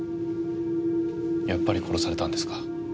やっぱり殺されたんですか。